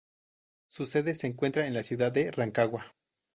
Su sede se encuentra en la ciudad de Rancagua.